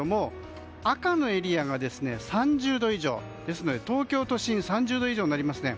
赤のエリアが３０度以上ですのでですので東京都心３０度以上になりますね。